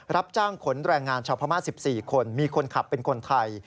รับจ้างขนแรงงานชาวพม่า๑๔คนมีคนขับเป็นคนไทย